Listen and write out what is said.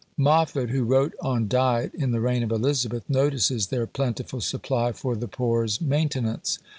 Moffet, who wrote on diet in the reign of Elizabeth, notices their plentiful supply "for the poor's maintenance."